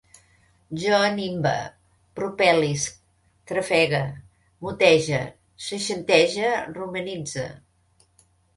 Jo nimbe, propel·lisc, trafegue, motege, seixantege, romanitze